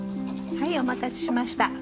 はいお待たせしました。